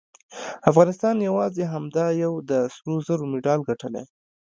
افغانستان یواځې همدا یو د سرو زرو مډال ګټلی